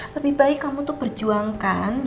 lebih baik kamu untuk berjuangkan